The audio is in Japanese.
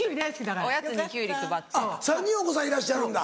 ３人お子さんいらっしゃるんだ。